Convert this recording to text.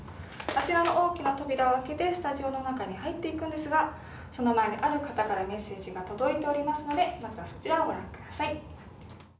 あちらの大きな扉を開けてスタジオの中に入って行くんですがその前にある方からメッセージが届いておりますのでまずはそちらをご覧ください。